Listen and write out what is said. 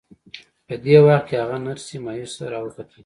په دې وخت کې هغې نرسې مایوسه را وکتل